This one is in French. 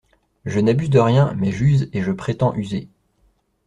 Je n'abuse de rien, mais j'use et je prétends user.